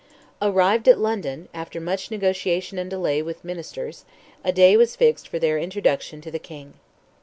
Arrived at London, after much negotiation and delay with ministers, a day was fixed for their introduction to the King.